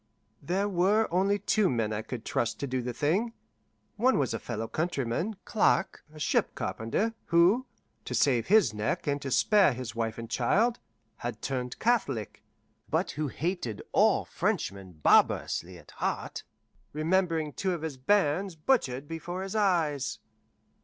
There were only two men I could trust to do the thing. One was a fellow countryman, Clark, a ship carpenter, who, to save his neck and to spare his wife and child, had turned Catholic, but who hated all Frenchmen barbarously at heart, remembering two of his bairns butchered before his eyes.